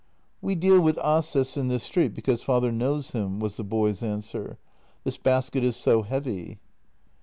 "We deal with Aases in this street because father knows him," was the boy's answer. " This basket is so heavy."